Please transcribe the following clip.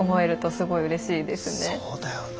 そうだよな。